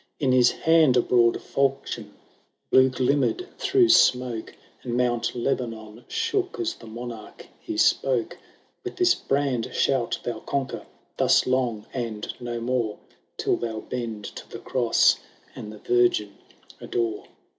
In his hand a broad falchion blue glimmered through smoke, And Mount Lebanon shook as the monarch he spoke :—" With this brand shalt thou conquer, thus long, and no more, Till thou bend to the Cross, and the Virgin adore."